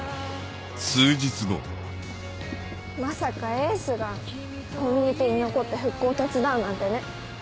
まさかエースがコミュニティーに残って復興を手伝うなんてね。